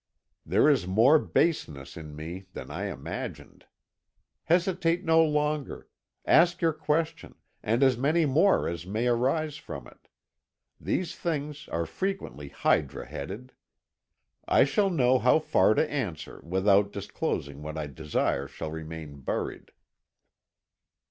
There is more baseness in me than I imagined. Hesitate no longer. Ask your question, and as many more as may arise from it; these things are frequently hydra headed. I shall know how far to answer without disclosing what I desire shall remain buried."